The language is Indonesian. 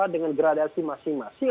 dengan gradasi masing masing